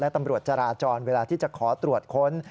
ตำรวจจราจรเวลาที่จะขอตรวจค้น